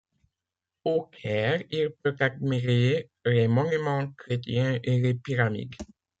Au Caire, il peut admirer les monuments chrétiens et les pyramides.